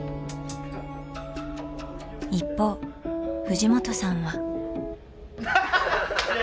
一方藤本さんは。